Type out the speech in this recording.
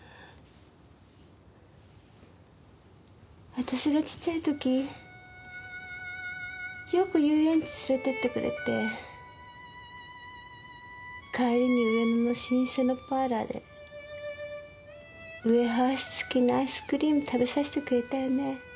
私がちっちゃい時よく遊園地連れてってくれて帰りに上野の老舗のパーラーでウエハース付きのアイスクリーム食べさせてくれたよね。